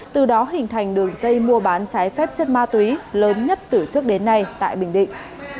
từ đó hình thành đường dây mua bán trái phép chất ma túy lớn nhất từ trước đến nay tại bình định